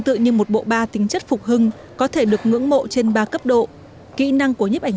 tự như một bộ ba tính chất phục hưng có thể được ngưỡng mộ trên ba cấp độ kỹ năng của nhếp ảnh